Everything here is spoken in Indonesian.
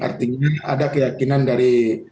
artinya ada keyakinan dari